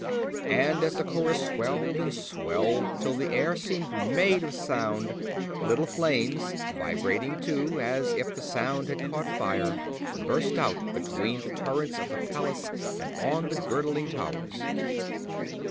And, as the chorus swelled and swelled till the air seemed made of sound—little flames, vibrating too, as if the sound had caught fire, burst out between the turrets of the palace and on the girdling towers.